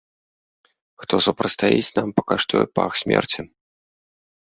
Хто супрацьстаіць нам, пакаштуе пах смерці!